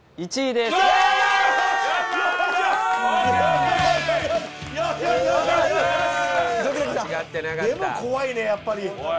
でも怖いねやっぱり。